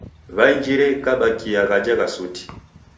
W'ainjire ghikabakia ghaja gha suti.